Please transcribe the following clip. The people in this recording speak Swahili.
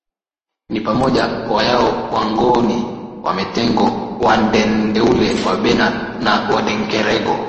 ni pamoja Wayao Wangoni Wamatengo Wandendeule Wabena na Wandengereko